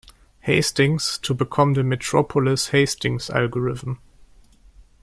Hastings to become the Metropolis-Hastings algorithm.